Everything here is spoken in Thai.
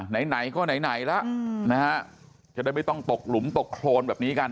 ไหนไหนก็ไหนแล้วนะฮะจะได้ไม่ต้องตกหลุมตกโครนแบบนี้กัน